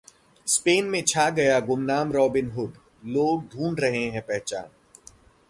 Spain में छा गया गुमनाम रॉबिनहुड, लोग ढूंढ रहे हैं पहचान